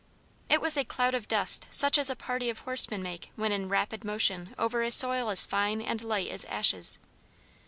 It was a cloud of dust such as a party of horsemen make when in rapid motion over a soil as fine and light as ashes.